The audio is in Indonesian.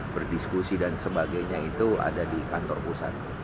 berdiskusi dan sebagainya itu ada di kantor pusat